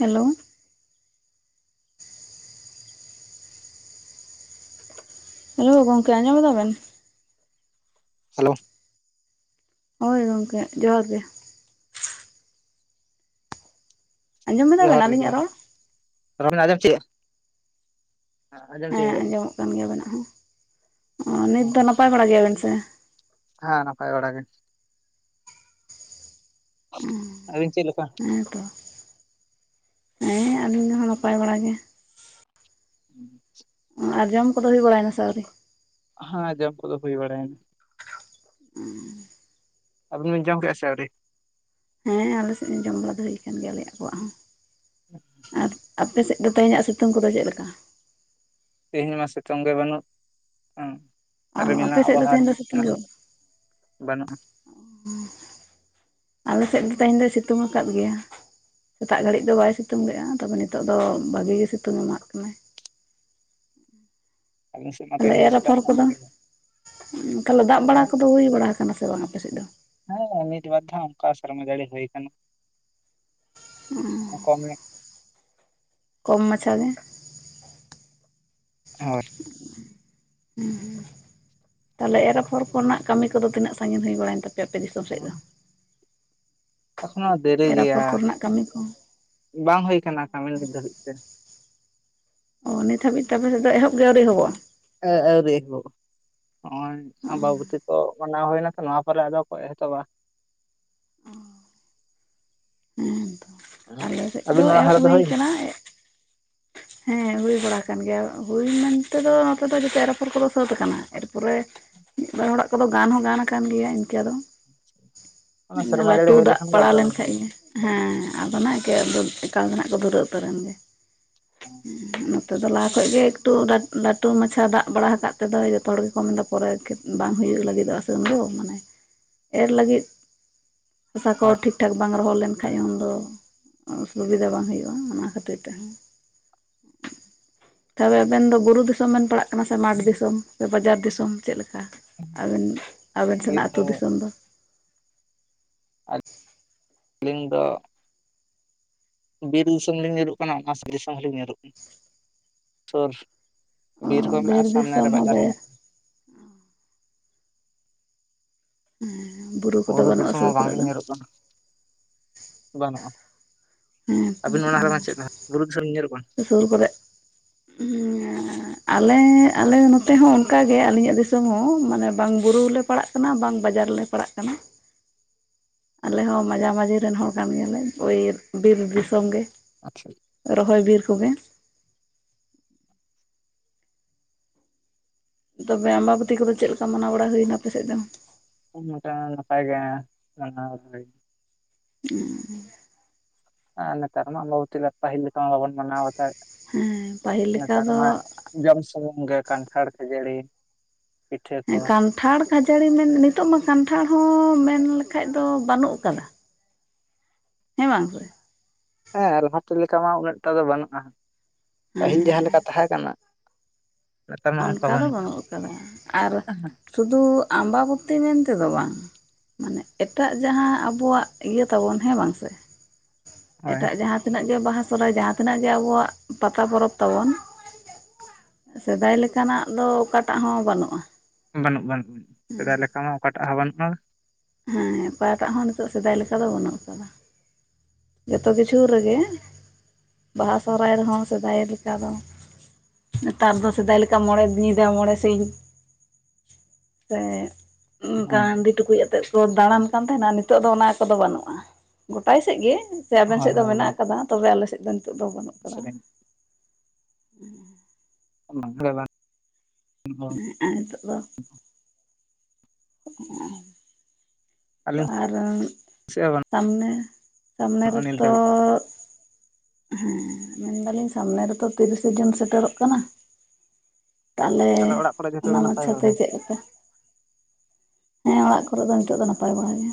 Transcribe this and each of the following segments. Hello hello ᱜᱚᱝᱠᱮ ᱟᱸᱡᱚᱢᱫᱟᱵᱮᱱ hello ᱦᱳᱭ ᱜᱚᱝᱠᱮ ᱡᱚᱦᱟᱨ ᱜᱮ ᱟᱸᱡᱚᱢ ᱮᱫᱟᱵᱮᱱ ᱡᱚᱦᱟᱨ ᱜᱮ ᱟᱹᱞᱤᱧᱟᱜ ᱡᱚᱦᱟᱨ ᱨᱚᱲ ᱟᱫᱚ ᱟᱸᱡᱚᱢ ᱪᱮᱫ ᱦᱮᱸ ᱟᱸᱡᱚᱢᱚᱜ ᱠᱟᱱ ᱜᱮᱭᱟ ᱟᱵᱮᱱᱟᱜ ᱦᱚᱸ ᱱᱤᱛ ᱫᱚ ᱱᱟᱯᱟᱭ ᱵᱟᱲᱟ ᱜᱮᱭᱟᱵᱮᱱ ᱥᱮ ᱦᱮᱸ ᱱᱟᱯᱟᱭ ᱵᱟᱲᱟ ᱜᱮ ᱟᱹᱵᱤᱱ ᱪᱮᱫ ᱞᱮᱠᱟ ᱚ ᱦᱮᱸ ᱛᱚ ᱦᱮᱸ ᱟᱹᱞᱤᱧ ᱫᱚᱦᱚᱸ ᱱᱟᱯᱟᱭ ᱵᱟᱲᱟ ᱜᱮ ᱦᱮᱸ ᱟᱨ ᱡᱚᱢ ᱠᱚᱫᱚ ᱦᱩᱭ ᱵᱟᱲᱟᱭᱮᱱᱟ ᱥᱣᱨᱤ ᱦᱮᱸ ᱡᱚᱢ ᱠᱚ ᱫᱚ ᱦᱩᱭ ᱵᱟᱲᱟᱭᱨᱱᱟ ᱦᱩᱸ ᱟᱵᱮᱱ ᱵᱮᱱ ᱡᱚᱢ ᱠᱮᱫᱼᱟ ᱥᱮ ᱟᱹᱣᱨᱤ ᱦᱮᱸ ᱟᱞᱮ ᱥᱮᱫ ᱦᱚᱸ ᱡᱚᱢ ᱵᱟᱲᱟ ᱫᱚ ᱦᱩᱭ ᱟᱠᱟᱱ ᱜᱮᱭᱟ ᱟᱞᱮ ᱠᱚᱣᱟᱜ ᱦᱚᱸ ᱦᱮᱸ ᱟᱨ ᱟᱯᱮᱥᱮᱫ ᱫᱚ ᱛᱮᱦᱮᱧᱟᱜ ᱥᱤᱛᱩᱝ ᱠᱚᱫᱚ ᱪᱮᱫ ᱞᱮᱠᱟ ᱛᱮᱦᱮᱧ ᱢᱟ ᱥᱤᱛᱩᱝ ᱜᱮ ᱵᱟᱹᱱᱩᱜ ᱚ ᱦ ᱨᱤᱢᱤᱞ ᱟᱯᱮ ᱥᱮᱫ ᱫᱚ ᱟᱵᱚᱦᱟᱣᱟ ᱛᱮᱦᱮᱧ ᱫᱚ ᱥᱤᱛᱩᱝ ᱠᱟᱱᱟ ᱜᱮ ᱥᱮ ᱵᱟᱹᱱᱩᱜᱼᱟ ᱟᱞᱮ ᱥᱮᱫ ᱫᱚ ᱛᱮᱦᱮᱧ ᱫᱚᱭ ᱥᱤᱛᱩᱝ ᱟᱠᱟᱫ ᱜᱮᱭᱟ ᱥᱮᱛᱟᱜ ᱜᱷᱟᱹᱲᱤᱡ ᱫᱚ ᱵᱟᱭ ᱥᱤᱛᱩᱝ ᱞᱮᱫᱼᱟᱭ ᱛᱚᱵᱮ ᱱᱤᱛᱚᱜ ᱫᱚ ᱵᱷᱟᱜᱤ ᱜᱮ ᱥᱤᱛᱩᱝ ᱮᱢᱟᱜ ᱠᱟᱱᱟᱭ ᱟᱹᱞᱤᱧ ᱥᱮᱫ ᱢᱟ ᱛᱟᱦᱚᱞᱮ ᱛᱮᱦᱮᱧ ᱫᱚ ᱮᱨ ᱥᱮᱛᱟᱜ ᱟᱯᱷᱚᱨ ᱠᱷᱚᱱ ᱠᱚᱫᱚ ᱜᱮ ᱛᱟᱦᱚᱞᱮ ᱫᱟᱜ ᱦᱮᱸ ᱵᱟᱲᱟ ᱠᱚᱫᱚ ᱦᱩᱭ ᱵᱟᱲᱟ ᱠᱟᱱᱟ ᱥᱮ ᱵᱟᱝ ᱟᱯᱮᱥᱮᱫ ᱫᱚ ᱦᱮᱸ ᱢᱤᱫ ᱵᱟᱨ ᱫᱷᱟᱣ ᱚᱱᱠᱟ ᱥᱮᱨᱢᱟ ᱡᱟᱹᱲᱤ ᱦᱩᱭ ᱟᱠᱟᱱᱟ ᱦᱩᱸ ᱠᱚᱢ ᱠᱚᱢ ᱢᱟᱪᱷᱟ ᱜᱮ ᱦᱳᱭ ᱦᱮᱸ ᱛᱟᱦᱞᱮ ᱮᱨᱼᱟᱯᱷᱚᱨ ᱠᱚᱨᱮᱱᱟᱜ ᱠᱟᱹᱢᱤ ᱠᱚᱫᱚ ᱛᱤᱱᱟᱹᱜ ᱥᱟᱺᱜᱤᱧ ᱦᱩᱭ ᱵᱟᱲᱟᱭᱮᱱ ᱛᱟᱯᱮᱭᱟ ᱟᱯᱮ ᱫᱤᱥᱚᱢ ᱥᱮᱫ ᱫᱚ ᱮᱠᱷᱚᱱᱚ ᱫᱮᱨᱤ ᱮᱨ ᱟᱯᱷᱚᱨ ᱜᱮᱭᱟ ᱠᱚᱨᱮᱱᱟᱜ ᱠᱟᱹᱢᱤ ᱠᱚ ᱵᱟᱝ ᱦᱩᱭ ᱟᱠᱟᱱᱟ ᱠᱟᱹᱢᱤ ᱱᱤᱛ ᱫᱷᱟᱹᱵᱤᱡ ᱛᱮ ᱚ ᱱᱤᱛ ᱦᱟᱹᱵᱤᱡ ᱛᱮ ᱟᱯᱮ ᱥᱮᱫ ᱫᱚ ᱮᱦᱚᱵ ᱜᱮ ᱟᱹᱣᱨᱤ ᱮᱦᱚᱵᱚᱜᱼᱟ ᱟᱹᱣᱨᱤ ᱮᱦᱚᱵᱚᱜᱼᱟ ᱱᱚᱜᱼᱚᱭ ᱟᱢᱵᱟᱵᱚᱛᱤ ᱠᱚ ᱢᱟᱱᱟᱣ ᱦᱩᱭᱱᱟ ᱛᱚ ᱱᱚᱣᱟ ᱟᱫᱚ ᱠᱚ ᱮᱛᱚᱦᱚᱵᱟ ᱦᱮᱸ ᱛᱚ ᱟᱞᱮ ᱥᱮᱫ ᱟᱹᱵᱤᱱ ᱫᱚ ᱱᱚᱣᱟ ᱮᱦᱚᱵ ᱦᱟᱨᱟ ᱦᱩᱭ ᱠᱟᱱᱟ ᱦᱮᱸ ᱦᱩᱭ ᱵᱟᱲᱟ ᱟᱠᱟᱱ ᱜᱮᱭᱟ ᱦᱩᱭ ᱢᱮᱱ ᱛᱮᱫᱚ ᱱᱚᱛᱮ ᱫᱚ ᱡᱮᱛᱮ ᱮᱨ ᱟᱯᱷᱚᱨ ᱠᱚᱫᱚ ᱥᱟᱹᱛ ᱟᱠᱟᱱᱟ ᱮᱨ ᱯᱚᱨᱮᱼᱼ ᱢᱤᱜ ᱵᱟᱨ ᱦᱚᱲᱟᱜ ᱠᱚᱫᱚ ᱜᱟᱱ ᱦᱚᱸ ᱜᱟᱱ ᱟᱠᱟᱱ ᱜᱮᱭᱟ ᱤᱱᱠᱟ ᱫᱚ᱾ ᱚᱱᱟ ᱩᱸ ᱥᱮᱨᱢᱟ ᱡᱟᱹᱲᱤ ᱞᱟᱹᱴᱩ ᱦᱩᱭ ᱫᱟᱜ ᱞᱮᱠᱷᱟᱱ ᱜᱮ ᱯᱟᱲᱟᱣ ᱟᱫᱚ ᱞᱮᱱ ᱠᱷᱟᱡ ᱨᱚᱦᱚᱭ ᱜᱮᱼᱼ ᱦᱮᱸ ᱟᱫᱚ ᱱᱟᱦᱟᱸᱜ ᱮᱠᱮ ᱫᱚ ᱮᱠᱟᱞ ᱫᱚ ᱱᱟᱦᱟᱸᱜ ᱠᱚ ᱫᱷᱩᱨᱟᱹᱣ ᱩᱛᱟᱹᱨ ᱨᱮᱱ ᱜᱮ᱾ ᱦᱚᱸ᱾ ᱩᱸ ᱱᱚᱛᱮ ᱫᱚ ᱞᱟᱦᱟ ᱠᱷᱚᱡ ᱜᱮ ᱮᱠᱴᱩ ᱞᱟᱴ ᱞᱟᱴᱩ ᱢᱟᱪᱷᱟ ᱫᱟᱜ ᱵᱟᱲᱟ ᱦᱟᱠᱟᱫ ᱛᱮᱫᱚᱭ ᱡᱚᱛᱚ ᱦᱚᱲ ᱜᱮᱠᱚ ᱢᱮᱱ ᱫᱟ ᱯᱚᱨᱮ ᱟᱨ ᱠᱤᱼᱼ ᱵᱟᱝ ᱦᱩᱭᱩᱜ ᱞᱟᱹᱜᱤᱫᱚᱜ-ᱟ ᱥᱮ ᱩᱱ ᱫᱚ ᱢᱟᱱᱮ ᱮᱨ ᱞᱟᱹᱜᱤᱫᱼᱼ ᱦᱟᱥᱟ ᱠᱚ ᱴᱷᱤᱠᱼᱴᱷᱟᱠ ᱵᱟᱝ ᱨᱚᱦᱚᱲ ᱞᱮᱱᱠᱷᱟᱡ ᱩᱱ ᱫᱚᱼᱼ ᱚᱸᱥᱩᱵᱤᱫᱟ ᱵᱟᱝ ᱦᱩᱭᱩᱜ-ᱟ ᱚᱱᱟ ᱠᱷᱟᱹᱛᱤᱨ ᱛᱮᱦᱚᱸ᱾ ᱛᱚᱵᱮ ᱟᱵᱮᱱ ᱫᱚ ᱵᱩᱨᱩ ᱫᱤᱥᱚᱢ ᱵᱮᱱ ᱯᱟᱲᱟᱜ ᱠᱟᱱᱟ ᱥᱮ ᱢᱟᱴᱷ ᱫᱤᱥᱚᱢ ᱥᱮ ᱵᱟᱡᱟᱨ ᱫᱤᱥᱚᱢ ᱪᱮᱜ ᱞᱮᱠᱟ? ᱟᱵᱮᱱ ᱟᱵᱮᱱ ᱦᱳᱭ ᱟᱹᱞᱤᱧ ᱥᱮᱱᱟᱜ ᱟᱹᱛᱩ ᱫᱤᱥᱚᱢ ᱫᱚ? ᱟᱹᱞᱤᱧ ᱫᱚᱼᱼ ᱵᱤᱨ ᱫᱤᱥᱚᱢ ᱞᱤᱧ ᱧᱩᱨᱩᱜ ᱠᱟᱱᱟ ᱜᱷᱟᱸᱥ ᱫᱤᱥᱚᱢ ᱦᱚᱸᱞᱤᱧ ᱧᱩᱨᱩᱜ ᱜᱮᱭᱟ, ᱥᱩᱨᱼᱼ ᱚ ᱵᱤᱨ ᱦᱚᱸ ᱢᱮᱱᱟᱜ-ᱟ ᱥᱟᱢᱱᱮ ᱫᱤᱥᱚᱢ ᱨᱮ ᱵᱟᱡᱟᱨ ᱦᱚᱸ ᱵᱮᱥ ᱢᱮᱱᱟᱜ-ᱟ᱾ ᱮᱸ ᱵᱩᱨᱩᱼᱼ ᱵᱩᱨᱩ ᱫᱤᱥᱚᱢ ᱦᱚᱸ ᱵᱟᱝ ᱞᱤᱧ ᱧᱩᱨᱩᱜ ᱠᱟᱱᱟ᱾ ᱵᱟᱱᱩᱜ-ᱟ, ᱦᱮᱸ ᱟᱵᱤᱱ ᱚᱱᱟ ᱛᱚ ᱨᱮᱢᱟ ᱪᱮᱫᱟᱜ ᱵᱩᱨᱩ ᱫᱤᱥᱚᱢ ᱧᱩᱨᱩᱜ ᱠᱟᱱᱟ? ᱥᱩᱨ ᱠᱚᱨᱮ ᱦᱩᱸ ᱮᱸᱻᱼᱼ ᱟᱞᱮ ᱟᱞᱮ ᱱᱚᱛᱮ ᱦᱚᱸ ᱚᱱᱠᱟ ᱜᱮ ᱟᱹᱞᱤᱧᱟᱜ ᱫᱤᱥᱚᱢ ᱦᱚᱸ ᱢᱟᱱᱮ ᱵᱟᱝ ᱵᱩᱨᱩ ᱞᱮ ᱯᱟᱲᱟᱜ ᱠᱟᱱᱟ ᱵᱟᱝ ᱵᱟᱡᱟᱨ ᱞᱮ ᱯᱟᱲᱟᱜ ᱠᱟᱱᱟ᱾ ᱟᱞᱮ ᱦᱚᱸ ᱢᱟᱡᱷᱟᱼᱢᱟᱹᱡᱷᱤ ᱨᱮᱱ ᱦᱚᱲ ᱠᱟᱱ ᱜᱮᱭᱟᱞᱮ ᱳᱭᱻ ᱵᱤᱨ ᱫᱤᱥᱚᱢ ᱜᱮ᱾ ᱟᱪᱪᱷᱚᱭ᱾ ᱨᱚᱦᱚᱭ ᱵᱤᱨ ᱠᱚᱜᱮ᱾ ᱛᱚᱵᱮ ᱟᱢᱵᱟᱵᱟᱹᱛᱤ ᱠᱚᱫᱚ ᱪᱮᱜ ᱞᱮᱠᱟ ᱢᱟᱱᱟᱣ ᱵᱟᱲᱟ ᱦᱩᱭ ᱱᱟ ᱟᱯᱮ ᱥᱮᱜ ᱫᱚ? ᱦᱚᱸ ᱱᱚᱠᱟ‌ ᱱᱟᱯᱟᱭ ‌ᱜᱮ ᱢᱟᱱᱟᱶ ᱦᱚᱭᱼᱼ ᱩᱸᱻ᱾ ᱟᱸᱻᱱᱮᱛᱟᱨ ᱢᱟ ᱟᱢᱵᱟᱵᱚᱛᱤ ᱯᱟᱹᱦᱤᱞ ᱞᱮᱠᱟ‌ ᱢᱟ ᱵᱟᱵᱚᱱ ᱢᱟᱱᱟᱶ ᱵᱟᱛᱟᱣᱮᱜ ᱦᱮᱸ ᱯᱟᱹᱦᱤᱞ ᱾ ᱞᱮᱠᱟ ᱱᱮᱛᱟᱨ ᱫᱚ ᱢᱟ ᱡᱚᱢ ᱥᱩᱢᱩᱝ ᱜᱮ ᱠᱟᱱᱴᱷᱟᱲ ᱠᱷᱟᱹᱡᱟᱹᱲᱤ᱾ ᱯᱤᱴᱷᱟᱹ ᱠᱚ ᱮᱸᱜ ᱠᱟᱱᱴᱷᱟᱲ ᱠᱷᱟᱡᱟᱹᱲᱤ ᱢᱮᱱ ᱱᱤᱛᱚᱜ ᱢᱟ ᱠᱟᱱᱴᱷᱟᱲ ᱦᱚᱸ ᱢᱮᱱ ᱞᱮᱠᱷᱟᱡ ᱫᱚ ᱵᱟᱱᱩᱜ ᱠᱟᱫᱟ᱾ ᱦᱮᱸ ᱵᱟᱝ ᱥᱮ ᱾ ᱦᱮᱸ ᱞᱟᱦᱟ ᱛᱮ ᱞᱮᱠᱟ ᱢᱟ ᱩᱱᱟᱹᱜ ᱴᱟ ᱫᱚ ᱵᱟᱱᱩᱜ-ᱟ ᱦᱮᱸ ᱯᱟᱹᱦᱤᱞ ᱡᱟᱦᱟᱸ ᱞᱮᱠᱟ ᱛᱟᱦᱮᱸ ᱠᱟᱱᱟ᱾ ᱱᱮᱛᱟᱨ ᱢᱟ ᱚᱱᱠᱟ ᱫᱚ ᱵᱟᱹᱱᱩᱜᱼᱟ ᱵᱟᱱᱩᱜ ᱟᱠᱟᱫᱟ ᱟᱨ ᱥᱩᱫᱩ ᱟᱢᱵᱟᱵᱚᱛᱤ ᱢᱮᱱ ᱛᱮᱫᱚ ᱵᱟᱝ᱾ ᱢᱟᱱᱮ ᱮᱴᱟᱜ ᱡᱟᱦᱟᱸ ᱟᱵᱚᱣᱟᱜ ᱤᱭᱟᱹ ᱛᱟᱵᱚᱱ ᱦᱮᱸ ᱵᱟᱝ ᱥᱮᱼᱼ ᱦᱳᱭ ᱮᱴᱟᱜ ᱡᱟᱦᱟᱸ ᱛᱤᱱᱟᱹᱜ ᱜᱮ ᱵᱟᱦᱟ ᱥᱚᱦᱨᱟᱭ ᱡᱟᱦᱟᱸ ᱛᱤᱱᱟᱹᱜ ᱜᱮ ᱟᱵᱚᱣᱟᱜ ᱯᱟᱛᱟ ᱯᱚᱨᱚᱵᱽ ᱛᱟᱵᱚᱱᱼᱼ ᱥᱮᱫᱟᱭ ᱞᱮᱠᱟ ᱱᱟᱜ ᱫᱚ ᱚᱠᱟ ᱴᱟᱜ ᱦᱚᱸ ᱵᱟᱱᱩᱜ-ᱟ᱾ ᱵᱟᱱᱩᱜ ᱵᱟᱱᱩᱜ ᱥᱮᱫᱟᱭ ᱞᱮᱠᱟ ᱢᱟ ᱚᱠᱟ ᱴᱟᱜ ᱦᱚᱸ ᱵᱟᱱᱩᱜ-ᱟ᱾ ᱦᱮᱸ ᱚᱠᱟ ᱴᱟᱜ ᱦᱚᱸ ᱱᱤᱛᱚᱜ ᱥᱮᱫᱟᱭ ᱞᱮᱠᱟ ᱫᱚ ᱵᱟᱹᱱᱩᱜ ᱟᱠᱟᱫᱟ᱾ ᱡᱚᱛᱚ ᱠᱤᱪᱷᱩ ᱨᱮᱜᱮ ᱵᱟᱦᱟ ᱥᱚᱦᱨᱟᱭ ᱨᱮᱦᱚᱸ ᱥᱮᱫᱟᱭ ᱞᱮᱠᱟ ᱫᱚᱼᱼ ᱱᱮᱛᱟᱨ ᱫᱚ ᱥᱮᱫᱟᱭ ᱞᱮᱠᱟ ᱢᱚᱬᱮ ᱧᱤᱫᱟ ᱢᱚᱬᱮ ᱥᱤᱧᱼᱼ ᱥᱮᱜᱼᱼ ᱚᱱᱠᱟ ᱦᱮᱸ ᱦᱟᱸᱰᱤ ᱴᱩᱠᱩᱡ ᱟᱛᱮᱜ ᱠᱚ ᱫᱟᱬᱟᱱ ᱠᱟᱱ ᱛᱟᱦᱮᱱᱟ ᱱᱤᱛᱚᱜ ᱫᱚ ᱚᱱᱟ ᱠᱚᱫᱚ ᱵᱟᱱᱩᱜ-ᱟ ᱜᱚᱴᱟᱭ ᱥᱮᱜ ᱜᱮ᱾ ᱥᱮ ᱟᱵᱮᱱ ᱦᱳᱭ ᱥᱮᱜ ᱫᱚ ᱢᱮᱱᱟᱜ ᱟᱠᱟᱫᱟ ᱛᱚᱵᱮ ᱟᱞᱮ ᱥᱮᱡ ᱫᱚ ᱱᱤᱛᱚᱜ ᱫᱚ ᱵᱟᱱᱩᱜᱼᱼ ᱥᱮ ᱵᱮᱱᱼᱼ ᱚᱱᱟ ᱫᱚᱭᱟ ᱵᱟᱝ, ᱩᱸ᱾ ᱦᱮᱸᱜ ᱟᱨ ᱱᱤᱛᱚᱜ ᱫᱚᱼᱼ ᱚᱸᱻ ᱛᱚ ᱟᱹᱞᱤᱧ ᱟᱨᱚᱸᱻᱼᱼ ᱥᱮᱫ ᱦᱚᱸ ᱥᱟᱢᱱᱮ ᱥᱟᱢᱱᱮ ᱵᱟᱹᱱᱩᱜᱼᱟ ᱱᱤᱛ ᱨᱮᱛᱚᱼᱼ ᱫᱷᱟᱹᱵᱤᱡ ᱦᱮᱸ ᱢᱮᱱ ᱫᱟᱞᱤᱧ ᱥᱟᱢᱱᱮ ᱨᱮᱛᱚ ᱛᱤᱨᱤᱥᱮ ᱡᱩᱱ ᱥᱮᱴᱮᱨᱚᱜ ᱠᱟᱱᱟ᱾ ᱛᱟᱞᱮ ᱛᱟᱦᱚᱞᱮ ᱚᱲᱟᱜ ᱠᱚᱨᱮ ᱡᱚᱛᱚ ᱚᱱᱟ ᱜᱮ ᱱᱟᱯᱟᱭ ᱢᱟᱪᱷᱟ ᱛᱮ ᱵᱟᱲᱟ ᱪᱮᱜ ᱞᱮᱠᱟ? ᱦᱮᱸ ᱚᱲᱟᱜ ᱠᱚᱨᱮ ᱫᱚ ᱱᱤᱛᱚᱜ ᱫᱚ ᱱᱟᱯᱟᱭ ᱵᱟᱲᱟ ᱜᱮ᱾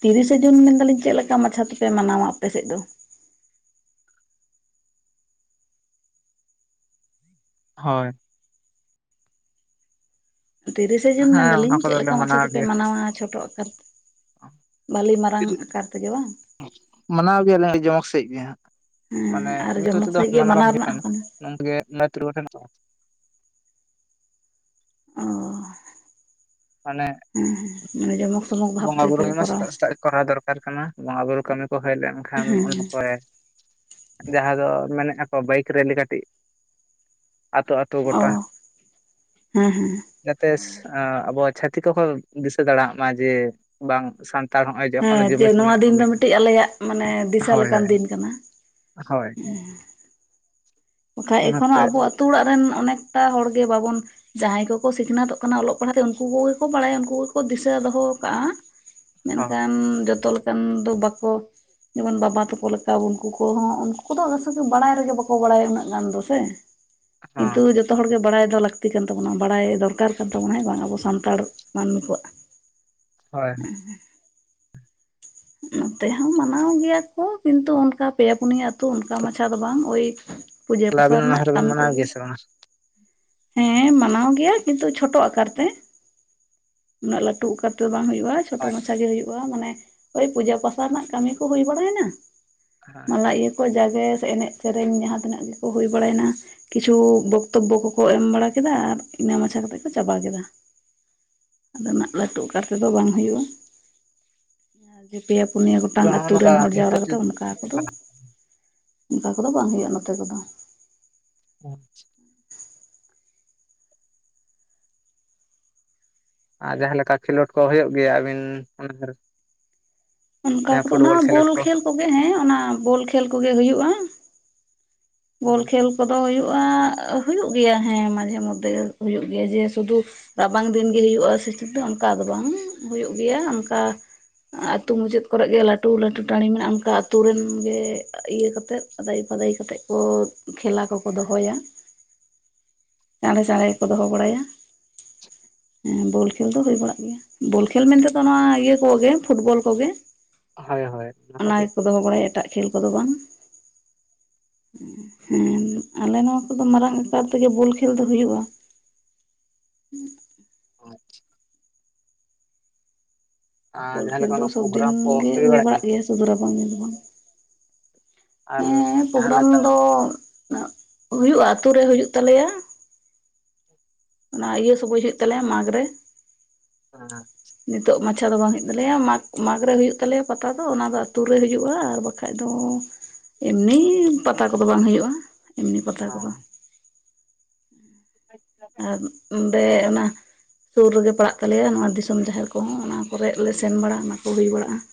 ᱛᱤᱨᱤᱥᱮ ᱡᱩᱱ ᱢᱮᱱᱫᱟᱞᱤᱧ ᱪᱮᱫ ᱞᱮᱠᱟ ᱢᱟᱪᱷᱟ ᱛᱮᱯᱮ ᱢᱟᱱᱟᱣᱟ ᱟᱯᱮ ᱥᱮᱫ ᱫᱚ ᱦᱳᱭ ᱛᱤᱨᱤᱥᱮ ᱡᱩᱱ ᱦᱮᱸ ᱚᱱᱟ ᱢᱮᱱᱫᱟᱞᱤᱧ ᱪᱮᱫ ᱠᱚᱫᱚᱞᱮ ᱞᱮᱠᱟ ᱢᱟᱪᱷᱟ ᱢᱟᱱᱟᱣ ᱛᱮᱯᱮ ᱜᱮᱭᱟ ᱢᱟᱱᱟᱣᱟ ᱪᱷᱚᱴᱳ ᱟᱠᱟᱨᱻᱻ ᱵᱷᱟᱹᱞᱤ ᱢᱟᱨᱟᱝ ᱠᱟᱨ ᱛᱮᱜᱮ ᱵᱟᱝ? ᱢᱟᱱᱟᱣ ᱜᱮᱭᱟᱞᱮ ᱟᱹᱰᱤ ᱡᱚᱢᱚᱠ ᱥᱮᱫ ᱜᱮ ᱦᱟᱸᱜ ᱦᱮᱸ ᱢᱟᱱᱮ ᱟᱨ ᱱᱤᱛᱚ ᱡᱚᱢᱚᱠ ᱛᱮᱫᱚ ᱥᱟᱺᱦᱤᱡ ᱦᱟᱸ ᱜᱮ ᱢᱟᱱᱟᱣ ᱵᱟᱝ ᱦᱩᱭᱩᱜ ᱨᱮᱱᱟᱜ ᱦᱚᱸ ᱠᱟᱱᱟ᱾ [unintelligible] ᱚ ᱢᱟᱱᱮ ᱦᱩᱸ ᱦᱩᱸᱢᱟᱱᱮ ᱡᱚᱢᱚᱠ ᱥᱚᱢᱚᱠ ᱵᱷᱟᱵ ᱵᱚᱸᱜᱟ ᱵᱩᱨᱩ ᱛᱮᱜᱮᱯᱮ ᱦᱩᱭ ᱢᱟ ᱠᱚᱨᱟᱣᱟ᱾ ᱥᱮᱛᱟᱜ ᱥᱮᱛᱟᱜ ᱠᱚᱨᱟᱣ ᱫᱚᱨᱠᱟᱨ ᱠᱟᱱᱟ ᱵᱚᱸᱜᱟ ᱵᱩᱨᱩ ᱠᱟᱹᱢᱤ ᱠᱚ ᱦᱮᱡ ᱞᱮᱱᱠᱷᱟᱱ ᱦᱮᱸ ᱚᱱᱟ ᱠᱚ ᱡᱟᱦᱟᱸ ᱫᱚ ᱢᱮᱱ ᱮᱫ ᱟᱠ ᱠᱚ ᱵᱟᱭᱤᱠ ᱨᱮᱞᱤ ᱠᱟᱹᱴᱤᱡ ᱟᱛᱳ ᱟᱛᱳ ᱚ ᱜᱚᱴᱟ ᱦᱮᱸ ᱦᱮᱸ ᱡᱟᱛᱮ ᱟᱵᱚᱻᱻ ᱪᱷᱟᱹᱛᱤᱠ ᱠᱚᱠᱚ ᱫᱤᱥᱟᱹ ᱫᱟᱲᱮᱭᱟᱜ ᱢᱟ ᱡᱮ ᱵᱟᱝ ᱥᱟᱱᱻᱻ ᱛᱚ ᱱᱚᱼᱚᱭ ᱡᱮ ᱮᱠᱷᱚᱱ ᱦᱮᱸ ᱡᱚᱢᱤᱛ ᱜᱮ ᱱᱚᱣᱟ ᱢᱮᱱᱟᱜ ᱫᱤᱱ ᱫᱚ ᱠᱚᱜᱮᱭᱟ ᱢᱤᱫᱴᱤᱡ ᱟᱞᱮᱭᱟᱜ ᱢᱟᱱᱮ ᱫᱤᱥᱟᱹ ᱦᱳᱭ ᱞᱮᱠᱟᱱ ᱦᱳᱭ ᱫᱤᱱ ᱠᱟᱱᱟ ᱦᱳᱭ ᱵᱟᱠᱷᱟᱡ ᱮᱠᱷᱚᱱᱳ ᱚᱱᱟᱛᱮ ᱟᱵᱚ ᱟᱹᱛᱩ ᱚᱲᱟᱜ ᱨᱮᱱ ᱚᱱᱮᱠᱴᱟ ᱦᱚᱲᱜᱮ ᱵᱟᱵᱚᱱᱻᱻ ᱡᱟᱦᱟᱸᱭ ᱠᱚᱠᱚ ᱥᱤᱠᱷᱱᱟᱹᱛᱚᱜ ᱠᱟᱱᱟ ᱚᱞᱚᱜ ᱯᱟᱲᱦᱟᱜ ᱛᱮ ᱩᱱᱠᱩ ᱠᱚᱜᱮ ᱠᱚ ᱵᱟᱲᱟᱭᱟ ᱩᱱᱠᱩ ᱜᱮᱠᱚ ᱫᱤᱥᱟᱹ ᱫᱚᱦᱚ ᱠᱟᱜᱼᱟ ᱦᱚᱸ ᱢᱮᱱᱠᱷᱟᱱ ᱡᱚᱛᱚ ᱞᱮᱠᱟᱱ ᱫᱚ ᱵᱟᱠᱚᱻᱻ ᱡᱮᱢᱚᱱ ᱵᱟᱵᱟ ᱛᱚᱠᱚ ᱞᱮᱠᱟ ᱩᱱᱠᱩ ᱠᱚᱦᱚᱸ ᱩᱱᱠᱩ ᱠᱚᱫᱚ ᱚᱲᱟᱠᱚᱫᱚ ᱵᱟᱲᱟᱭ ᱨᱮᱜᱮ ᱵᱟᱝᱠᱚ ᱵᱟᱲᱟᱭᱟ ᱩᱱᱟᱹᱜ ᱩᱱ ᱫᱚ ᱥᱮ ᱠᱤᱱᱛᱩ ᱦᱚᱸ ᱡᱻᱻ ᱡᱚᱛᱚ ᱦᱚᱲᱜ ᱜᱮ ᱵᱟᱲᱟᱭ ᱫᱚ ᱞᱟᱹᱠᱛᱤ ᱠᱟᱱ ᱛᱟᱵᱚᱱᱟ ᱵᱟᱲᱟᱭ ᱫᱚᱨᱠᱟᱨ ᱠᱟᱱ ᱛᱟᱵᱚᱱᱟ ᱦᱮᱸ ᱵᱟᱝ ᱟᱵᱚ ᱥᱟᱱᱛᱟᱲ ᱢᱟᱹᱱᱢᱤ ᱠᱚᱣᱟᱜ ᱦᱳᱭ ᱱᱚᱛᱮ ᱦᱚᱸ ᱢᱟᱱᱟᱣ ᱜᱮᱭᱟ ᱠᱚ ᱠᱤᱱᱛᱩ ᱚᱱᱠᱟ ᱯᱮᱭᱟ ᱯᱩᱱᱭᱟᱹᱛ ᱚᱱᱠᱟ ᱢᱟᱪᱷᱟ ᱫᱚ ᱵᱟᱝ ᱳᱭᱻᱻ ᱯᱩᱡᱟᱹ ᱛᱟᱦᱞᱮ ᱯᱟᱥᱟ ᱟᱵᱤᱱ ᱚᱱᱟ ᱨᱮᱱᱟᱜ ᱦᱚᱨᱟᱵᱤᱱ ᱠᱟᱹᱢᱤ ᱢᱟᱱᱟᱣ ᱠᱚᱜᱮ ᱜᱮᱭᱟ ᱥᱮ ᱵᱟᱝ ᱦᱮᱸ ᱢᱟᱱᱟᱣ ᱜᱮᱭᱟ ᱠᱤᱱᱛᱩ ᱪᱷᱚᱴᱚ ᱟᱠᱟᱨ ᱛᱮ ᱩᱱᱟᱜ ᱞᱟᱹᱩ ᱚᱠᱟᱨ ᱛᱮᱫᱚ ᱵᱟᱝ ᱦᱩᱭᱩᱜᱼᱟ ᱳᱭ ᱪᱷᱳᱴᱚ ᱦᱳᱭ ᱢᱟᱪᱷᱟ ᱜᱮ ᱦᱩᱭᱩᱜᱼᱟ ᱢᱟᱱᱮ ᱳᱭ ᱯᱩᱡᱟᱹ ᱯᱟᱥᱟ ᱨᱮᱱᱟᱜ ᱠᱟᱹᱢᱤ ᱠᱚ ᱦᱩᱭ ᱵᱟᱲᱟᱭᱱᱟ ᱟᱪᱪᱷᱟ ᱢᱟᱞᱟ ᱟᱫᱚ ᱤᱭᱟᱹ ᱠᱚ ᱡᱟᱜᱮ ᱮᱱᱮᱡ ᱥᱮᱹᱨᱮᱹᱧ ᱡᱟᱦᱟᱸᱛᱤᱤᱱᱟᱹ ᱜᱮᱠᱚ ᱦᱩᱭ ᱵᱟᱲᱟᱭᱱᱟ ᱠᱤᱪᱷᱩ ᱵᱚᱠᱛᱚᱵᱵᱚ ᱠᱚᱠᱚ ᱮᱢ ᱵᱟᱲᱟ ᱠᱮᱫᱟ ᱟᱨ ᱤᱱᱟᱹ ᱢᱟᱪᱷᱟ ᱠᱟᱛᱮᱜ ᱠᱚ ᱪᱟᱵᱟ ᱠᱮᱫᱟ ᱟᱫᱚ ᱩᱱᱟᱜ ᱞᱟᱹᱴᱩ ᱚᱠᱟᱨ ᱛᱮᱫᱚ ᱵᱟᱝ ᱦᱩᱭᱩᱜᱼᱟ ᱡᱮ ᱯᱮᱭᱟ ᱯᱩᱱᱭᱟᱹ ᱜᱚᱴᱟᱝ ᱦᱚᱸᱜᱼᱚ ᱟᱹᱛᱩ ᱱᱚᱝᱠᱟ ᱨᱮᱱ ᱦᱚᱲ ᱱᱤᱛᱚᱜ ᱡᱟᱣᱨᱟ ᱠᱟᱛᱮ ᱡᱩᱫᱤ ᱚᱱᱠᱟ ᱠᱚᱫᱚᱻᱻ ᱚᱱᱠᱟ ᱠᱚᱫᱚ ᱵᱟᱝ ᱦᱩᱭᱩᱜᱼᱟ ᱱᱚᱛᱮ ᱠᱚᱫᱚ ᱟᱪᱪᱷᱟ ᱟᱨ ᱡᱟᱦᱟᱸ ᱞᱮᱠᱟ ᱠᱷᱮᱞᱳᱰ ᱠᱚ ᱦᱩᱭᱩᱜ ᱜᱮᱭᱟ ᱟᱹᱵᱤᱱ ᱚᱱᱟ ᱫᱷᱟᱨᱮ ᱚᱱᱠᱟ ᱠᱚᱫᱚ ᱚᱱᱟ ᱠᱷᱮᱞᱳᱰ ᱵᱚᱞ ᱠᱚ ᱠᱷᱮᱞ ᱠᱚᱜᱮ ᱦᱮᱸ ᱚᱱᱟ ᱵᱚᱞ ᱠᱷᱮᱞ ᱠᱚᱜᱮ ᱦᱩᱭᱩᱜᱼᱟ ᱵᱚᱞ ᱠᱷᱮᱞ ᱠᱚᱫᱚ ᱦᱩᱭᱩᱜᱼᱟ ᱦᱩᱭᱩᱜ ᱜᱮᱭᱟ ᱦᱮᱸ ᱢᱟᱡᱷᱮ ᱢᱚᱫᱽᱫᱷᱮ ᱦᱩᱭᱩᱜ ᱜᱮᱭᱟ ᱡᱮ ᱥᱩᱫᱩᱻᱻ ᱨᱟᱵᱟᱝ ᱫᱤᱱ ᱜᱮ ᱦᱩᱭᱩᱜᱼᱟ ᱥᱤᱛᱩ ᱫᱚ ᱚᱱᱠᱟ ᱫᱚ ᱵᱟᱝ ᱦᱩᱭᱩᱜ ᱜᱮᱭᱟ ᱚᱱᱠᱟᱻᱻ ᱟᱹᱛᱩ ᱢᱩᱪᱟᱹᱫ ᱠᱚᱨᱮ ᱜᱮ ᱞᱟᱹᱴᱩ ᱞᱟᱹᱴᱩ ᱴᱟᱸᱲᱤ ᱢᱮᱱᱟᱜᱼᱟ ᱚᱱᱠᱟ ᱟᱹᱛᱩᱳ ᱨᱮᱱ ᱜᱮᱻᱻ ᱤᱭᱟᱹ ᱠᱟᱛᱮᱮᱫ ᱟᱫᱟᱭᱯᱟᱫᱟᱭ ᱠᱟᱛᱮᱜ ᱠᱚ ᱠᱷᱮᱞᱟ ᱠᱚᱠᱚ ᱫᱚᱦᱚᱭᱟ ᱪᱟᱬᱮ ᱪᱟᱬᱮ ᱜᱮᱠᱚ ᱫᱚᱦᱚ ᱵᱟᱲᱟᱭᱟ ᱦᱮᱸ ᱵᱚᱞ ᱠᱷᱮᱹᱞ ᱫᱚ ᱦᱩᱭ ᱵᱟᱲᱟᱜ ᱜᱮᱭᱟ ᱵᱚᱞ ᱠᱷᱮᱞ ᱢᱮᱱᱛᱮᱫᱚ ᱚᱱᱟ ᱤᱭᱟᱹ ᱠᱚᱜᱮ ᱯᱷᱩᱴᱵᱚᱞ ᱠᱚᱜᱮ ᱦᱳᱭ ᱦᱳᱭ ᱚᱱᱟ ᱠᱚᱜᱮ ᱜᱮᱠᱚ ᱫᱚᱦᱚ ᱵᱟᱲᱟᱭᱟ ᱮᱴᱟᱜ ᱠᱷᱮᱹᱞ ᱠᱚᱫᱚ ᱵᱟᱝ ᱦᱮᱸ ᱟᱞᱮ ᱱᱚᱣᱟ ᱱᱚᱭᱟ ᱟᱛᱩ ᱨᱮᱫᱚ ᱢᱟᱨᱟᱝ ᱟᱠᱟᱨ ᱛᱮᱜᱮ ᱵᱚᱞ ᱠᱷᱮᱞ ᱫᱚ ᱦᱩᱭᱩᱜᱼᱟ [inaudible] ᱟᱪᱪᱷᱟ ᱟᱨ ᱵᱚᱞ ᱡᱟᱦᱟᱸ ᱠᱷᱮᱞ ᱞᱮᱠᱟ ᱫᱚ ᱚᱱᱟ ᱥᱚᱵ ᱫᱤᱱ ᱯᱨᱳᱜᱨᱟᱢ ᱠᱚ ᱜᱮ ᱦᱩᱭ ᱵᱟᱲᱟᱜ ᱜᱮᱭᱟ ᱥᱩᱫᱷᱩ ᱨᱟᱵᱟᱝ ᱫᱤᱱ ᱫᱚ ᱵᱟᱝ ᱟᱨ ᱦᱮᱸ ᱡᱟᱦᱟᱸ ᱯᱨᱳᱜᱨᱟᱢ ᱞᱮᱠᱟ ᱫᱚ ᱦᱩᱭᱩᱜᱼᱟ ᱟᱛᱳ ᱨᱮ ᱦᱩᱭᱩᱜ ᱛᱟᱞᱮᱭᱟ ᱚᱱᱟ ᱤᱭᱟᱹ ᱥᱚᱢᱚᱭ ᱦᱳᱭᱳ ᱺ ᱛᱟᱞᱮᱭᱟ ᱢᱟᱜᱽ ᱨᱮ ᱚ ᱟᱪᱪᱷᱟ ᱱᱤᱛᱚᱜ ᱢᱟᱪᱷᱟ ᱫᱚ ᱵᱟᱝ ᱦᱩᱭᱩᱜ ᱛᱟᱞᱮᱭᱟ ᱢᱟᱜᱽ ᱢᱟᱜᱽ ᱨᱮ ᱦᱩᱭᱩᱜ ᱛᱟᱞᱮᱭᱟ ᱯᱟᱛᱟ ᱫᱚ ᱚᱱᱟ ᱫᱚ ᱟᱹᱛᱩᱩᱨ ᱨᱮ ᱦᱤᱡᱩᱜᱼᱟ ᱟᱨ ᱵᱟᱠᱷᱟᱡ ᱫᱚᱻᱻ ᱮᱢᱱᱤ ᱯᱟᱛᱟ ᱠᱚᱫᱚ ᱵᱟᱝ ᱦᱩᱭᱩᱜᱼᱟ ᱮᱢᱱᱤ ᱯᱟᱛᱟ ᱠᱚᱫᱚ ᱟᱪᱪᱷᱟ ᱟᱨ ᱚᱸᱰᱮ ᱚᱱᱟ ᱼᱼ ᱥᱩᱨ ᱨᱮᱜᱮ ᱯᱟᱲᱟᱜ ᱛᱟᱞᱮᱭᱟ ᱱᱚᱣᱟ ᱫᱤᱥᱚᱢ ᱡᱟᱦᱮᱨ ᱠᱚᱦᱚᱸ ᱚᱱᱟ ᱠᱚᱨᱮ ᱞᱮ ᱥᱮᱱ ᱵᱟᱲᱟᱜ ᱚᱱᱟ ᱠᱚ ᱦᱩᱭ ᱵᱟᱲᱟᱜᱼᱟ ᱾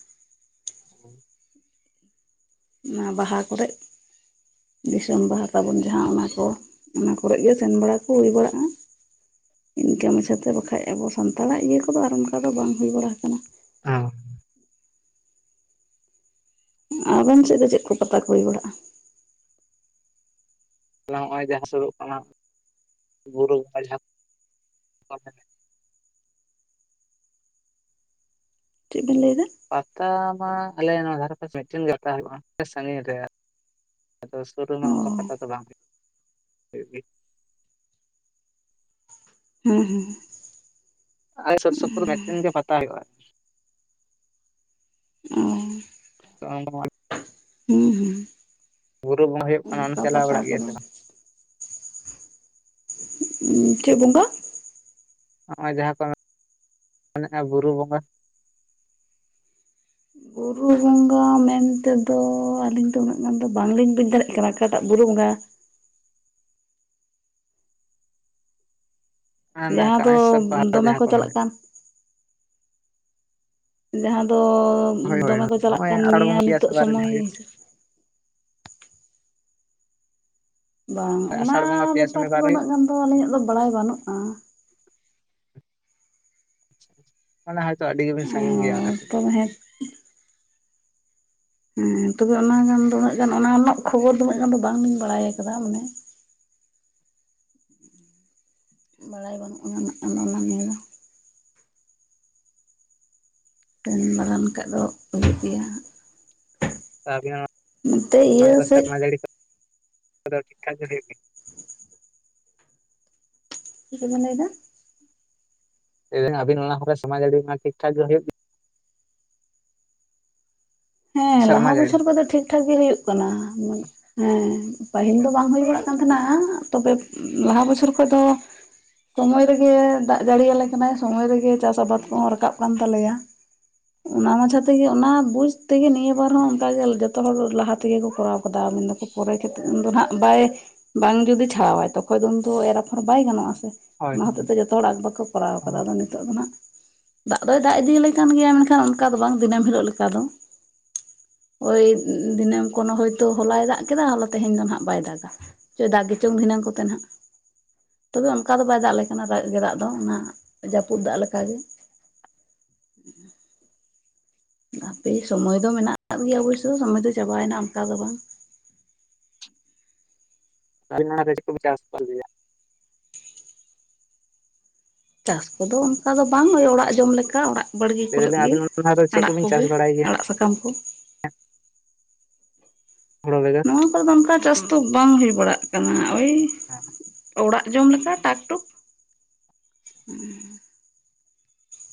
[inaudible] ᱚᱱᱟ ᱵᱟᱦᱟ ᱠᱚᱨᱮᱜ ᱾ ᱫᱤᱥᱚᱢ ᱵᱟᱦᱟ ᱛᱟᱵᱚᱱ ᱡᱟᱦᱟᱸ ᱚᱱᱟ ᱠᱚ ᱚᱱᱟ ᱠᱚᱨᱮ ᱜᱮ ᱥᱮᱱ ᱵᱟᱲᱟ ᱠᱚ ᱦᱩᱭ ᱵᱟᱲᱟᱜᱼᱟ ᱤᱱᱠᱟᱹ ᱢᱟᱪᱷᱟᱛᱮ ᱵᱟᱠᱷᱟᱡ ᱟᱵᱚ ᱥᱟᱱᱛᱟᱲᱟᱜ ᱤᱭᱟᱹ ᱠᱚᱫᱚ ᱟᱨ ᱚᱱᱠᱟ ᱫᱚ ᱵᱟᱝ ᱦᱩᱭ ᱵᱟᱲᱟ ᱟᱠᱟᱱᱟ ᱟᱶ ᱟᱵᱮᱱ ᱥᱮᱫ ᱫᱚ ᱪᱮᱫ ᱠᱚ ᱯᱟᱛᱟ ᱠᱚ ᱦᱩᱭ ᱵᱟᱲᱟᱜᱼᱟ? ᱱᱚᱜᱼᱚᱭ ᱡᱟᱦᱟᱸ ᱥᱩᱨᱚᱜ ᱠᱟᱱᱟ ᱵᱩᱨᱩ [inaudible] ᱪᱮᱫ ᱵᱤᱱ ᱞᱟᱹᱭᱮᱫᱟ? ᱯᱟᱛᱟ ᱢᱟ ᱟᱞᱮ ᱱᱚᱣᱟ ᱫᱷᱟᱨᱮ ᱯᱟᱥᱮ ᱢᱤᱫᱴᱤᱱ ᱜᱮ ᱯᱟᱛᱟ ᱦᱩᱭᱩᱜᱼᱟ ᱥᱟᱺᱜᱤᱧ ᱨᱮ ᱟᱫᱚ ᱥᱩᱨ ᱨᱮᱢᱟ ᱚ ᱚᱱᱠᱟ ᱯᱟᱛᱟ ᱫᱚ ᱵᱟᱝ ᱦᱩᱭᱩᱜᱼᱟ ᱜᱮ ᱩᱸ ᱦᱩᱸ ᱟᱞᱮ ᱥᱩᱨᱥᱩᱯᱩᱨ ᱢᱤᱫᱴᱟ. ᱱ ᱜᱮ ᱯᱛᱟ ᱦᱩᱭᱩᱜ-ᱟ ᱚᱸ [inaudible] ᱦᱩᱸ ᱦᱩᱸ ᱵᱩᱨᱩ ᱵᱟᱸᱜᱟ ᱦᱩᱭᱩᱜ ᱠᱟᱱᱟ ᱚᱸᱰᱮᱢ ᱚᱱᱠᱟ ᱪᱟᱞᱟᱣ ᱯᱟᱛᱟ ᱵᱟᱲᱟᱜ ᱜᱮᱭᱟ ᱠᱚᱫᱚ ᱥᱮ ᱵᱟᱝ? ᱪᱮᱫ ᱵᱚᱸᱜᱟ? ᱱᱚᱜᱼᱚᱭ ᱡᱟᱦᱟᱸ ᱠᱚ [inaudible] ᱵᱩᱨᱩ ᱵᱚᱸᱜᱟ ᱵᱩᱨᱩ ᱵᱚᱸᱜᱟ ᱢᱮᱱ ᱛᱮᱫᱚ ᱟᱹᱞᱤᱧ ᱫᱚ ᱩᱱᱟᱹᱜ ᱜᱟᱱ ᱫᱚ ᱵᱟᱝᱞᱤᱧ ᱵᱩᱡᱽ ᱫᱟᱲᱮᱭᱟᱜ ᱠᱟᱱᱟ ᱚᱠᱟᱴᱟᱜ ᱵᱩᱨᱩ ᱵᱚᱸᱜᱟ ᱦᱟᱱᱮ ᱡᱟᱦᱟᱸ ᱫᱚ ᱠᱟᱱᱟᱭᱥᱚᱨ ᱯᱟᱦᱟᱲ ᱫᱚᱢᱮ ᱡᱟᱦᱟᱸ ᱠᱚ ᱪᱟᱞᱟᱜ ᱢᱮᱱᱮᱫ ᱠᱟᱱ? ᱡᱟᱦᱟᱸ ᱫᱚ ᱦᱳᱭ ᱦᱳᱭ ᱫᱚᱢᱮ ᱠᱚ ᱪᱟᱞᱟᱜ ᱦᱳᱭ ᱠᱟᱱ ᱱᱮᱭᱟ ᱱᱚᱜᱼᱚᱭ ᱱᱤᱛᱚᱜ ᱟᱥᱟᱲ ᱵᱚᱸᱜᱟ ᱯᱮᱭᱟ ᱥᱚᱱᱤᱵᱟᱨ ᱨᱮ ᱥᱚᱢᱚᱭ ᱡᱟᱦᱟᱸ ᱵᱟᱝ ᱦᱩᱭᱩᱜ ᱚᱱᱟ ᱟᱥᱟᱲ ᱵᱚᱸᱜᱟ ᱯᱮᱭᱟ ᱵᱮᱯᱟᱨ ᱥᱚᱱᱤᱵᱟᱨ ᱛᱮᱫᱚ ᱨᱮ ᱦᱩᱭᱩᱜ ᱩᱱᱟᱹᱜ ᱜᱟᱱ ᱫᱚ ᱟᱞᱤᱧᱟᱜ ᱫᱚ ᱵᱟᱲᱟᱭ ᱵᱟᱹᱱᱩᱜᱼᱟ ᱚᱱᱟ ᱦᱚᱭᱛᱚ ᱟᱹᱰᱤ ᱜᱮᱵᱤᱱ ᱚ ᱥᱟᱺᱜᱤᱧ ᱜᱮᱭᱟ ᱚᱸᱰᱮ ᱠᱷᱚᱱ ᱛᱚᱵᱮ ᱦᱮᱸ ᱛᱚᱵᱮ ᱚᱱᱟ ᱜᱟᱱ ᱫᱚ ᱩᱱᱟᱹᱜ ᱜᱟᱱ ᱚᱱᱟ ᱨᱮᱱᱟᱜ ᱠᱷᱚᱵᱚᱨ ᱫᱚ ᱩᱱᱟᱹᱜ ᱜᱟᱱ ᱫᱚ ᱵᱟᱝᱞᱤᱧ ᱵᱟᱲᱟᱭ ᱟᱠᱟᱫᱟ ᱢᱟᱱᱮ ᱵᱟᱲᱟᱭ ᱵᱟᱹᱱᱩᱜᱼᱟ ᱚᱱᱟ ᱢᱟᱱᱮ ᱫᱚ [inaudible] ᱞᱮᱠᱷᱟᱡ ᱫᱚ ᱦᱩᱭᱩᱜ ᱜᱮᱭᱟ ᱟᱹᱵᱤᱱ ᱱᱚᱛᱮ ᱤᱭᱟᱹ ᱥᱮᱫ ᱼᱼ ᱟᱫᱚ ᱴᱤᱠ ᱴᱷᱟᱠ ᱜᱮ ᱞᱟᱹᱭ ᱵᱤᱱ ᱪᱮᱜ ᱵᱤᱱ ᱞᱟᱹᱭ ᱮᱫᱟ? ᱟᱵᱤᱱ ᱚᱱᱟ ᱥᱚᱢᱡᱽᱡ ᱴᱷᱤᱠ ᱴᱷᱟᱠ ᱜᱮ ᱦᱳᱭᱳᱜ ᱼᱼ ᱦᱮᱸ ᱥᱮᱨᱢᱟ ᱞᱟᱦᱟ ᱡᱟᱹᱲᱤ ᱵᱚᱪᱷᱚᱨ ᱠᱷᱚᱡ ᱫᱚ ᱴᱷᱤᱠ ᱴᱷᱟᱠ ᱜᱮ ᱦᱩᱭᱩᱜ ᱠᱟᱱᱟ ᱾ ᱦᱮᱸ ᱯᱟᱦᱤᱞ ᱫᱚ ᱵᱟᱝ ᱦᱩᱭ ᱵᱟᱲᱟᱜ ᱠᱟᱱ ᱛᱟᱦᱮᱸᱱᱟ ᱛᱚᱵᱮ ᱞᱟᱦᱟ ᱵᱚᱪᱷᱚᱨ ᱠᱷᱚᱡ ᱫᱚᱼᱼ ᱥᱳᱚᱢᱳᱭ ᱨᱮᱜᱮ ᱫᱟᱜ ᱡᱟᱲᱤᱭᱟᱞᱮ ᱠᱟᱱᱟᱭ ᱥᱳᱢᱳᱭ ᱨᱮᱜᱮ ᱪᱟᱥ ᱟᱵᱟᱫ ᱠᱚᱦᱚᱸ ᱨᱟᱠᱟᱵ ᱠᱟᱱ ᱛᱟᱞᱮᱭᱟ ᱾ ᱚᱱᱟ ᱢᱟᱪᱷᱟ ᱛᱮᱜᱮ ᱚᱱᱟ ᱵᱩᱡᱽ ᱼᱼ ᱛᱮᱜᱮ ᱱᱤᱭᱟᱹ ᱵᱟᱨ ᱦᱚᱸ ᱚᱱᱠᱟ ᱜᱮ ᱡᱚᱛᱚ ᱦᱚᱲ ᱞᱟᱦᱟ ᱛᱮᱜᱮ ᱠᱚ ᱠᱚᱨᱟᱣ ᱠᱟᱫᱟ ᱢᱮᱱᱫᱟᱠᱚ ᱯᱚᱨᱮ ᱠᱟᱛᱮᱫ ᱫᱚ ᱦᱟᱸᱜ ᱵᱟᱭ ᱼᱼ ᱵᱟᱝ ᱡᱩᱫᱤ ᱪᱷᱟᱲᱟᱣᱟ ᱛᱚᱠᱷᱚᱱ ᱫᱚ ᱩᱱ ᱫᱚ ᱮᱨᱟᱯᱷᱚᱨ ᱵᱟᱭ ᱜᱟᱱᱚᱜ- ᱟ ᱥᱮ ᱦᱳᱭ ᱚᱱᱟ ᱦᱚᱛᱮ ᱛᱮ ᱡᱚᱛᱚ ᱦᱚᱲᱟᱜ ᱵᱟᱠᱚ ᱠᱚᱨᱟᱣ ᱦᱳᱭ ᱟᱠᱟᱫᱟ ᱱᱤᱛᱚᱜ ᱫᱚ ᱱᱟᱜ ᱫᱟᱜ ᱫᱚᱭ ᱫᱟᱜ ᱤᱫᱤ ᱟᱞᱮ ᱠᱟᱱ ᱜᱮᱭᱟ ᱢᱮᱱᱠᱷᱟᱱ ᱚᱱᱠᱟ ᱫᱚ ᱵᱟᱝ ᱫᱤᱱᱟᱹᱢ ᱦᱤᱞᱳᱜ ᱞᱮᱠᱟ ᱫᱚ ᱳᱭ ᱫᱤᱱᱮᱢ ᱠᱳᱱᱳ ᱦᱳᱭᱛᱳ ᱦᱚᱞᱟᱭ ᱫᱟᱜ ᱠᱮᱫᱟ ᱦᱚ ᱛᱮᱦᱮᱧ ᱫᱚ ᱦᱟᱸᱜ ᱵᱟᱭ ᱫᱟᱜᱟ ᱫᱟᱜ ᱜᱮ ᱪᱚᱝ ᱫᱷᱤᱱᱟᱹᱝ ᱠᱚᱛᱮ ᱱᱟᱦᱟᱜ ᱛᱚᱵᱮ ᱚᱱᱠᱟ ᱫᱚ ᱵᱟᱭ ᱫᱟᱜ ᱟᱞᱮ ᱠᱟᱱᱟ ᱫᱟᱜ ᱜᱮ ᱫᱟᱜ ᱫᱚ ᱚᱱᱟ ᱡᱟᱹᱯᱩᱫ ᱫᱟᱜ ᱞᱮᱠᱟ ᱜᱮ ᱟᱯᱮ ᱥᱚᱢᱳᱭ ᱫᱚ ᱢᱮᱱᱟᱜ ᱠᱟᱜ ᱜᱮᱭᱟ ᱚᱵᱚᱥᱥᱳᱭ ᱥᱚᱢᱚᱭ ᱫᱚ ᱪᱟᱵᱟᱭᱮᱱᱟ ᱚᱱᱠᱟ ᱫᱚ ᱵᱟᱝ [unintelligible] ᱪᱟᱥ ᱠᱚᱫᱚ ᱚᱱᱠᱟ ᱫᱚ ᱵᱟᱝ ᱳᱤ ᱚᱲᱟᱜ ᱡᱚᱢ ᱞᱮᱠᱟ ᱚᱲᱟᱜ ᱵᱟᱲᱜᱮ ᱞᱟᱹᱭ ᱠᱚᱨᱮᱫ ᱫᱟᱞᱤᱧ ᱜᱮ ᱟᱵᱤᱱ ᱚᱱᱟ ᱫᱚ ᱪᱮᱫ ᱟᱲᱟᱜ ᱠᱚᱵᱤᱱ ᱠᱚᱜᱮ ᱪᱟᱥ ᱵᱟᱲᱟᱭ ᱜᱮᱭᱟ ᱟᱲᱟᱜ ᱥᱟᱠᱟᱢ ᱠᱚ [unintelligible] ᱱᱚᱣᱟ ᱠᱚᱨᱮ ᱫᱚ ᱚᱱᱠᱟ ᱪᱟᱥ ᱫᱚ ᱵᱟᱝ ᱦᱩᱭ ᱵᱟᱲᱟᱜ ᱠᱟᱱᱟ ᱳᱭ ᱦ [unintelligible] ᱚᱲᱟᱜ ᱡᱚᱢ ᱞᱮᱠᱟ ᱴᱟᱠ ᱴᱩᱠ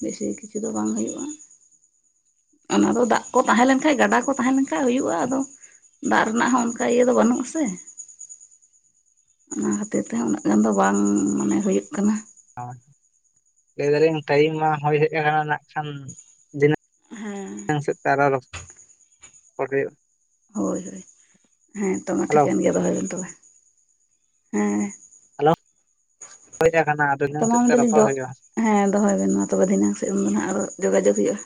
ᱵᱮᱥᱤ ᱠᱤᱪᱷᱩ ᱫᱚ ᱵᱟᱝ ᱦᱩᱭᱩᱜ-ᱟ᱾ ᱚᱱᱟᱫᱚ ᱫᱟᱜ ᱠᱚ ᱛᱟᱦᱮᱸ ᱞᱮᱱᱠᱷᱟᱡ ᱜᱟᱰᱟ ᱠᱚ ᱛᱟᱦᱮᱸ ᱞᱮᱱᱠᱟᱱᱡ ᱦᱩᱭᱩᱜᱼᱟ ᱟᱫᱚ ᱫᱟᱜ ᱨᱮᱱᱟᱜ ᱦᱚᱸ ᱚᱱᱠᱟ ᱤᱭᱟᱹ ᱫᱚ ᱵᱟᱹᱱᱩᱜ ᱟᱥᱮ ᱚᱱᱟ ᱠᱷᱟᱹᱛᱤᱨ ᱛᱮ ᱩᱱᱟᱹᱜ ᱜᱟᱱ ᱫᱚ ᱵᱟᱝ ᱢᱟᱱᱮ ᱦᱩᱭᱩᱜ ᱠᱟᱱᱟ ᱞᱟᱹᱭ ᱫᱟᱞᱤᱧ ᱴᱟᱭᱤᱢ ᱢᱟ ᱦᱩᱭ ᱦᱮᱡ ᱟᱠᱟᱱᱟ ᱱᱟᱜ ᱠᱷᱟᱱ ᱦᱮᱸ ᱢᱤᱫᱟᱝ ᱥᱮᱣᱛᱮ ᱟᱨᱚ ᱨᱚᱯᱚᱲ ᱦᱩᱭᱩᱜᱼᱟ᱾ ᱦᱳᱭ ᱦᱳᱭ ᱦᱮᱸ ᱛᱚ ᱢᱟ ᱦᱮᱞᱳ ᱴᱷᱤᱠᱟᱹᱱ ᱜᱮᱭᱟ ᱫᱚᱦᱚᱭ ᱵᱮᱱ ᱛᱚᱵᱮ ᱦᱮᱸ᱾ ᱦᱮᱞᱳ ᱠᱟᱱᱟ ᱟᱫᱚ ᱛᱚ ᱤᱱᱟᱹᱝ ᱢᱟ ᱥᱮᱫ ᱛᱮ ᱢᱮᱱᱫᱟᱞᱤᱧ ᱨᱚᱯᱚᱲ ᱫᱚ ᱦᱩᱭᱩᱜᱼᱟ᱾ ᱦᱮᱸ ᱫᱚᱦᱚᱭ ᱵᱮᱱ ᱢᱟ ᱛᱚᱵᱮ ᱫᱷᱤᱱᱟᱹᱝ ᱥᱮᱫ ᱫᱚ ᱦᱟᱜ ᱟᱨᱚ ᱡᱳᱜᱟᱡᱳᱜ ᱦᱩᱭᱩᱜᱼᱟ᱾